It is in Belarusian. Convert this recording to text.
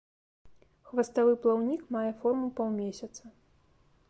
Хваставы плаўнік мае форму паўмесяца.